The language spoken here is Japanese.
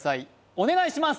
お願いします